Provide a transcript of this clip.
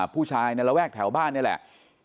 ผู้ชายในระแวกแถวบ้านนี่แหละ